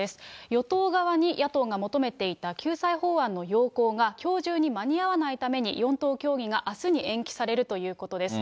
与党側に野党が求めていた救済法案の要綱がきょう中に間に合わないために、４党協議があすに延期されるということです。